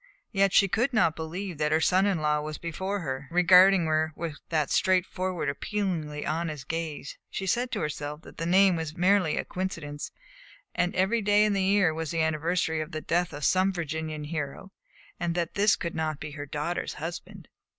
Yet she could not believe that her son in law was before her, regarding her with that straightforward, appealingly honest gaze; she said to herself that the name was merely a coincidence, that every day in the year was the anniversary of the death of some Virginian hero, and that this could not be her daughter's husband.